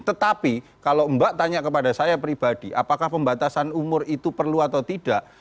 tetapi kalau mbak tanya kepada saya pribadi apakah pembatasan umur itu perlu atau tidak